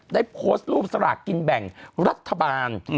ได้โพสต์รูปสลากกินแบ่งรัฐบาล